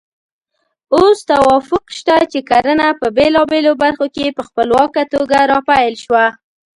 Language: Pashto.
اوس توافق شته چې کرنه په بېلابېلو برخو کې په خپلواکه توګه راپیل شوه.